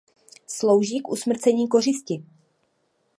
Slouží k usmrcení kořisti.